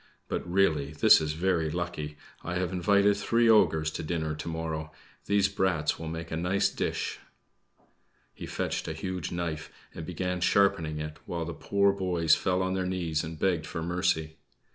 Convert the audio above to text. But, really, this is very lucky! I have invited three ogres to dinner to morrow; these brats will make a nice dish." He fetched a huge knife and began sharpening it, while the poor boys fell on their knees and begged for mercy.